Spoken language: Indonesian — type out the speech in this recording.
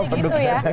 harusnya gitu ya